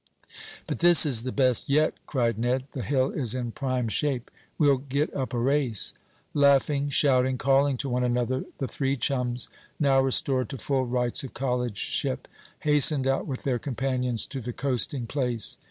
"But this is the best yet!" cried Ned. "The hill is in prime shape. We'll get up a race." Laughing, shouting, calling to one another, the three chums, now restored to full rights of collegeship, hastened out with their companions to the coasting place.